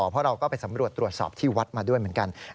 เพราะเราก็ไปสำรวจตรวจสอบที่วัดมาด้วยเหมือนกัน